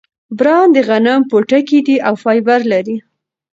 بران د غنم پوټکی دی او فایبر لري.